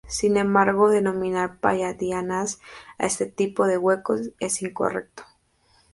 Sin embargo, denominar palladianas a este tipo de huecos es incorrecto.